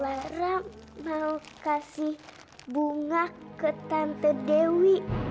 barang mau kasih bunga ke tante dewi